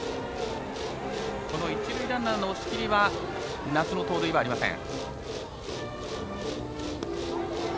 一塁ランナーの押切は夏の盗塁はありません。